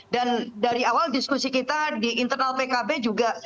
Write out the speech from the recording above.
dan dari awal diskusi kita di internal pkb juga